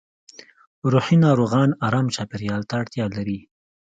روحي ناروغان ارام چاپېریال ته اړتیا لري